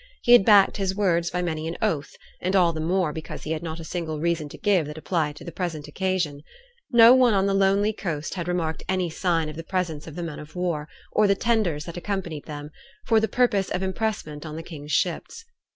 He had backed his words by many an oath, and all the more because he had not a single reason to give that applied to the present occasion. No one on the lonely coast had remarked any sign of the presence of the men of war, or the tenders that accompanied them, for the purpose of impressment on the king's ships.